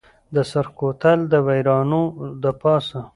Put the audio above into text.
د سرخ کوتل دویرانو دپاسه